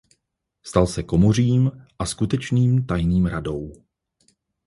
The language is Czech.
Stal se komořím a skutečným tajným radou.